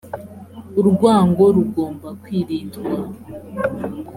urwango rugomba kwirindwa.